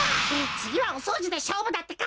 つぎはおそうじでしょうぶだってか。